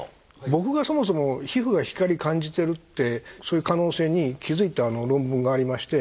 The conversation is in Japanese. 僕がそもそも皮膚が光感じてるってそういう可能性に気付いた論文がありまして。